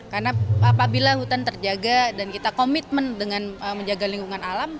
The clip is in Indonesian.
karena apabila hutan terjaga dan kita komitmen dengan menjaga lingkungan alam